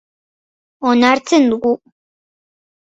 Onartzen dugu.